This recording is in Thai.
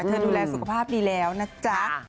ดูแลสุขภาพดีแล้วนะจ๊ะ